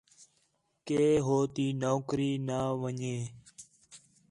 کہ ہو تی نوکری نہ ون٘ڄے